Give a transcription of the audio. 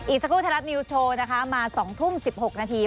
สักครู่ไทยรัฐนิวส์โชว์นะคะมา๒ทุ่ม๑๖นาที